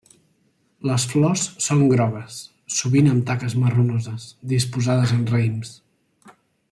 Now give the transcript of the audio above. Les flors són grogues, sovint amb taques marronoses, disposades en raïms.